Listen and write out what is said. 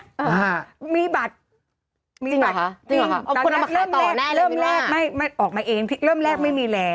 อ่าฮะมีบัตรมีบัตรตอนแรกเริ่มแรกไม่ออกมาเองเริ่มแรกไม่มีแล้ว